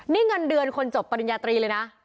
นี่เงินเดือนคนจบปริญญาตรีเลยนะ